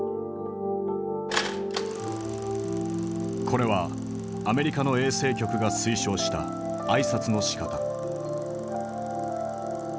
これはアメリカの衛生局が推奨した挨拶のしかた。